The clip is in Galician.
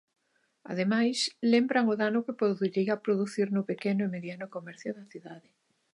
Ademais, lembran o dano que podería producir no pequeno e mediano comercio da cidade.